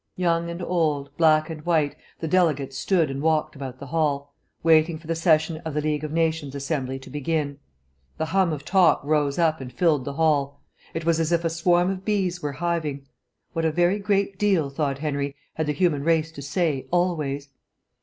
Young and old, black and white, the delegates stood and walked about the hall, waiting for the session of the League of Nations Assembly to begin. The hum of talk rose up and filled the hall; it was as if a swarm of bees were hiving. What a very great deal, thought Henry, had the human race to say, always!